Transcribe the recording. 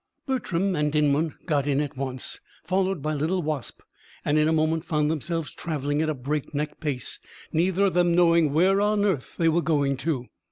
Bertram and Dinmont got in at once, followed by little Wasp, and in a moment found themselves travelling at a breakneck pace, neither of them knowing where on earth they were going to.